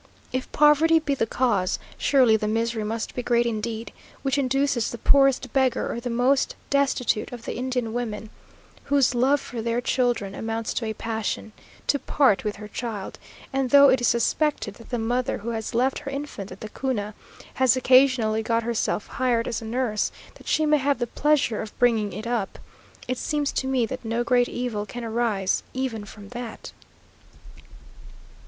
If poverty be the cause, surely the misery must be great indeed, which induces the poorest beggar or the most destitute of the Indian women (whose love for their children amounts to a passion) to part with her child; and though it is suspected that the mother who has left her infant at the Cuna, has occasionally got herself hired as a nurse, that she may have the pleasure of bringing it up, it seems to me that no great evil can arise, even from that.